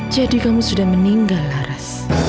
kamu sudah meninggal laras